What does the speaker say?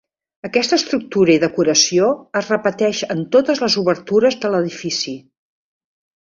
Aquesta estructura i decoració es repeteix en totes les obertures de l'edifici.